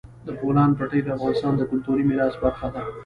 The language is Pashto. د بولان پټي د افغانستان د کلتوري میراث برخه ده.